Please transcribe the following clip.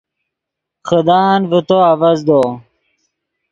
خدان ڤے تو آڤزدو